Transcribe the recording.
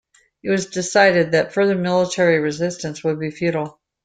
It was decided that further military resistance would be futile.